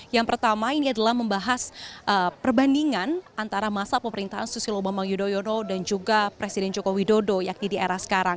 yang pertama ini adalah membahas perbandingan antara masa pemerintahan susilo bambang yudhoyono dan juga presiden joko widodo yakni di era sekarang